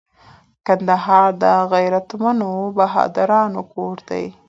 کندهار د غیرتمنو بهادرانو کور دي